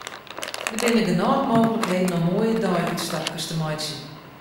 Der binne genôch mooglikheden om moaie deiútstapkes te meitsjen.